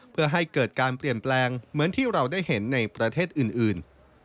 เพื่อให้เกิดการเปลี่ยนแปลงเหมือนที่เราได้เห็นในประเทศอื่น